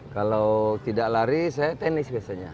kalau tidak lari saya tenis biasanya